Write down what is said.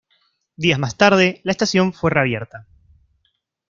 Días más tarde, la estación fue reabierta.